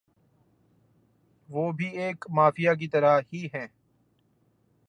۔ وہ بھی ایک مافیا کی طرح ھی ھیں